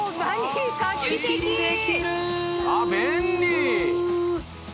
あっ便利！